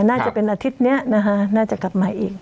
น่าจะเป็นอาทิตย์นี้นะคะน่าจะกลับมาอีก